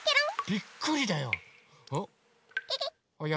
びっくりだよ。